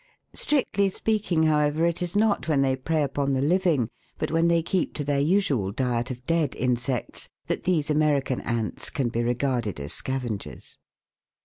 Strictly speaking, however, it is not when they prey upon the living, but when they keep to their usual diet of dead insects, that these American ants can be re garded as scavengers.